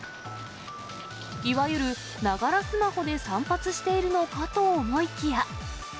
いわゆる、ながらスマホで散髪しているのかと思いきや。